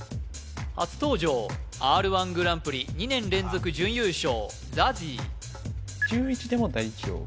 初登場Ｒ−１グランプリ２年連続準優勝